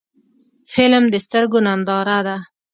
فلم د سترګو ننداره ده